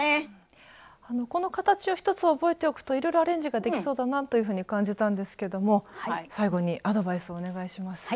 この形を一つ覚えておくといろいろアレンジができそうだなというふうに感じたんですけども最後にアドバイスをお願いします。